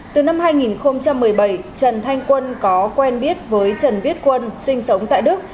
từ năm hai nghìn một mươi bảy trần thanh quân có quen biết với trần viết quân sinh sống tại đức